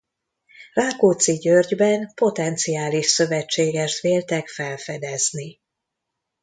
Rákóczi Györgyben potenciális szövetségest véltek felfedezni.